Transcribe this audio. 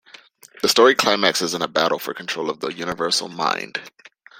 The story climaxes in a battle for control of the Universal Mind.